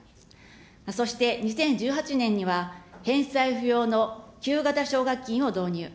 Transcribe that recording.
そして２０１８年には返済不要の給付型奨学金を導入。